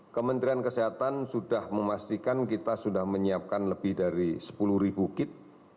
kementerian kesehatan sudah memastikan kita sudah menyiapkan lebih dari sepuluh kit